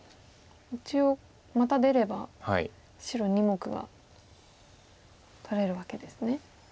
一応また出れば白２目が取れるわけですね。